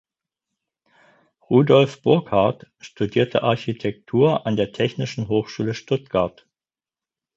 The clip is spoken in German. Rudolf Burkhardt studierte Architektur an der Technischen Hochschule Stuttgart.